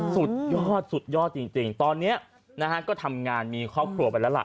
สุดยอดจริงตอนนี้ก็ทำงานมีครอบครัวไปแล้วล่ะ